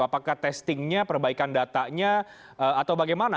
apakah testingnya perbaikan datanya atau bagaimana